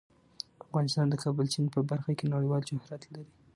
افغانستان د کابل سیند په برخه کې نړیوال شهرت لري.